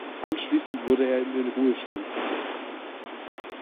Anschließend wurde er in den Ruhestand versetzt.